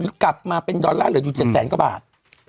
กลับมาเป็นดอลลาร์เหลืออยู่๗แสนกว่าบาท